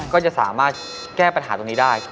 ก็จะสามารถแก้ปัญหาตรงนี้ได้